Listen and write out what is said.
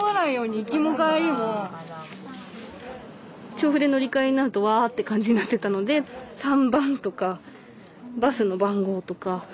調布で乗り換えになるとわって感じになってたので３番とかバスの番号とかそれを丸つけたりとかして。